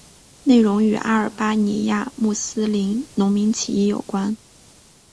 内容与阿尔巴尼亚穆斯林农民起义有关。